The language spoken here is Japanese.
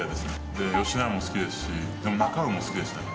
で野家も好きですしなか卯も好きでしたね。